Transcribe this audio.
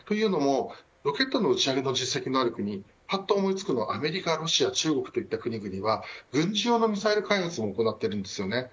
ロケットの打ち上げの実績のある国はアメリカ、ロシア中国といった国々は軍事用のミサイル開発も行っています。